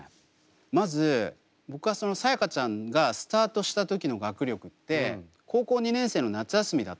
まず僕はそのさやかちゃんがスタートした時の学力って高校２年生の夏休みだったんですよ。